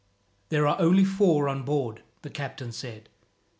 "There are only four on board," the captain said.